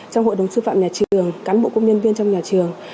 trong hội đồng sư phạm nhà trường cán bộ công nhân viên trong nhà trường